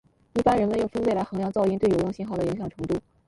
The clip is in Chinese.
一般人们用分贝来衡量噪音对有用信号的影响程度。